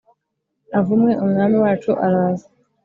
avumwe Umwami wacu araza